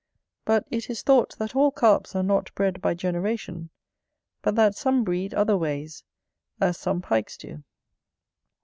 But it is thought that all Carps are not bred by generation; but that some breed other ways, as some Pikes do.